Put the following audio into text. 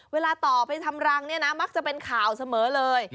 เวลาต่อไปทำรังเนี่ยนะมักจะเป็นข่าวเสมอเลย